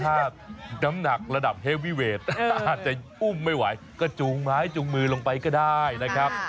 ถ้าน้ำหนักระดับเฮวีเวทอาจจะอุ้มไม่ไหวก็จูงไม้จูงมือลงไปก็ได้นะครับ